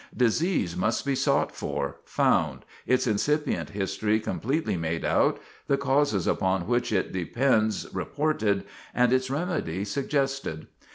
Disease must be sought for, found, its incipient history completely made out, the causes upon which it depends reported, and its remedy suggested.